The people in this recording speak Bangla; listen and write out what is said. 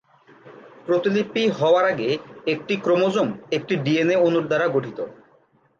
প্রতিলিপি হওয়ার আগে একটি ক্রোমোজোম একটি ডিএনএ অণুর দ্বারা গঠিত।